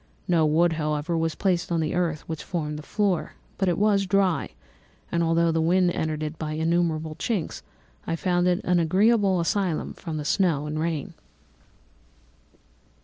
No wood, however, was placed on the earth, which formed the floor, but it was dry; and although the wind entered it by innumerable chinks, I found it an agreeable asylum from the snow and rain.